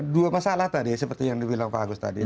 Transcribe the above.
dua masalah tadi seperti yang dibilang pak agus tadi